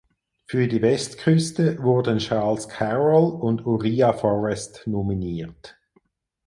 Für die Westküste wurden Charles Carroll und Uriah Forrest nominiert.